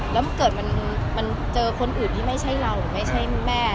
แล้วเกิดมันเจอคนอื่นที่ไม่ใช่เราหรือไม่ใช่แม่